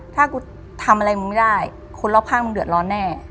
ถ้ากูทำอะไรมึงไม่ได้คนรอบข้างมึงเดือดร้อนแน่